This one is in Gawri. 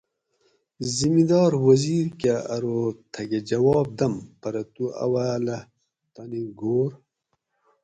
زمیدار وزیر کہۤ ارو تھکہۤ جواب دم پرہ تو اواۤلہ تانی گھور